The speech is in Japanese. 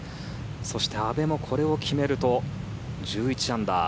そして阿部もこれを決めると１１アンダー。